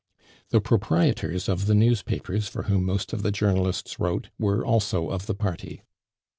The proprietors of the newspapers, for whom most of the journalists wrote, were also of the party.